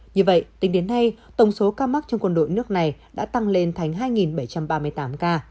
như vậy tính đến nay tổng số ca mắc trong quân đội nước này đã tăng lên thành hai bảy trăm ba mươi tám ca